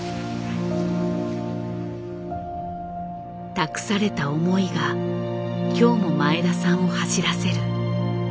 託された思いが今日も前田さんを走らせる。